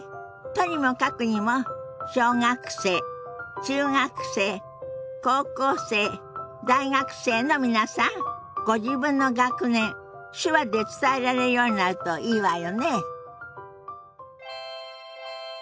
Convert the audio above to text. とにもかくにも小学生中学生高校生大学生の皆さんご自分の学年手話で伝えられるようになるといいわよね。